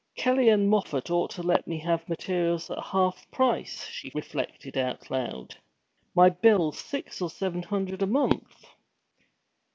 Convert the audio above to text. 'Kelley & Moffat ought to let me have materials at half price,' she reflected aloud. 'My bill's six or seven hundred a month!'